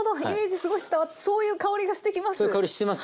そういう香りがしてきます。